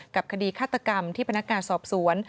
คดีฆาตกรรมที่พนักงานสอบสวน